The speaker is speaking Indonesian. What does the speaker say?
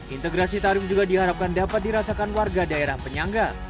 integrasi tarif juga diharapkan dapat dirasakan warga daerah penyangga